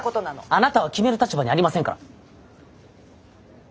あなたは決める立場にありませんから。